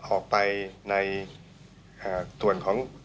ออกไปในส่วนของ